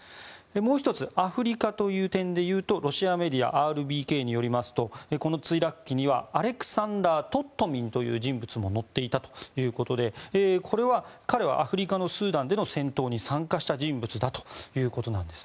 もう１つ、アフリカという点だとロシアメディアのＲＢＫによるとこの墜落機にはアレクサンダー・トットミン氏という人物も乗っていたということで彼はアフリカのスーダンでの戦闘に参加した人物だということです。